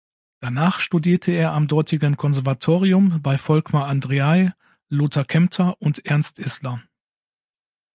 Danach studierte er am dortigen Konservatorium bei Volkmar Andreae, Lothar Kempter und Ernst Isler.